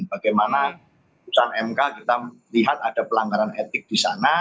bagaimana putusan mk kita lihat ada pelanggaran etik di sana